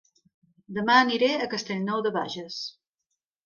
Dema aniré a Castellnou de Bages